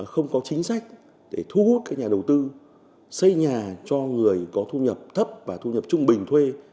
không có chính sách để thu hút các nhà đầu tư xây nhà cho người có thu nhập thấp và thu nhập trung bình thuê